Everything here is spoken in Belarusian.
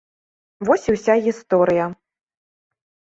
Вось і ўся гісторыя.